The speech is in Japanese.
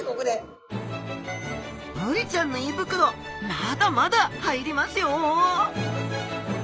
ブリちゃんの胃袋まだまだ入りますよ！